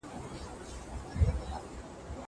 زه درسونه نه اورم.